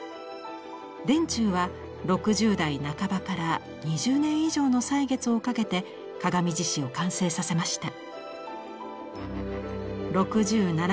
田中は６０代半ばから２０年以上の歳月をかけて「鏡獅子」を完成させました。